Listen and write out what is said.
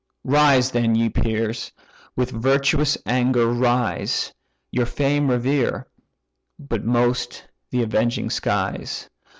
Rise then, ye peers! with virtuous anger rise; Your fame revere, but most the avenging skies.